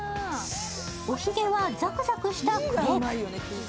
おひげはザクザクしたクレープ。